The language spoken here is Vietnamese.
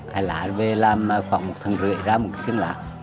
hải lá về làm khoảng một thằng rưỡi ra một xương lá